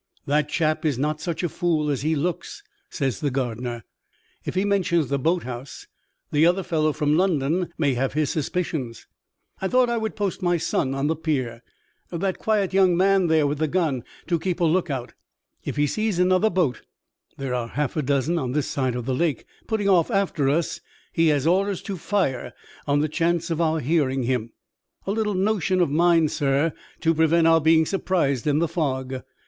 'That chap is not such a fool as he looks,' says the gardener. 'If he mentions the boat house, the other fellow from London may have his suspicions. I thought I would post my son on the pier that quiet young man there with the gun to keep a lookout. If he sees another boat (there are half a dozen on this side of the lake) putting off after us, he has orders to fire, on the chance of our hearing him. A little notion of mine, sir, to prevent our being surprised in the fog.